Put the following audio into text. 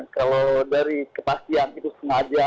kalau dari kepastian itu sengaja